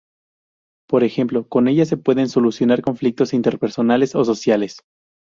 Por ejemplo, con ella se pueden solucionar conflictos interpersonales o sociales.